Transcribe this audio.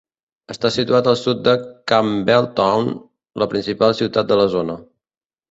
Està situat al sud de Campbeltown, la principal ciutat de la zona.